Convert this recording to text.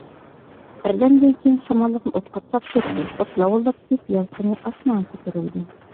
بىردەمدىن كېيىن سامانلىقنى ئوت قاپلاپ كەتتى، ئوت لاۋۇلداپ كۆيۈپ، يالقۇنى ئاسمانغا كۆتۈرۈلدى.